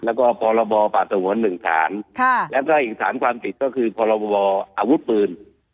แล้วก็ภาระบอสังหวัล๑ฐานแล้วก็อีกฐานความผิดก็คือภาระบออาวุธปืน